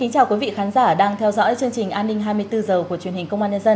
chào quý vị khán giả đang theo dõi chương trình an ninh hai mươi bốn h của truyền hình công an nhân dân